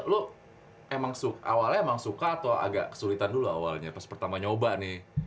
lo emang awalnya suka atau agak kesulitan dulu awalnya pas pertama nyoba nih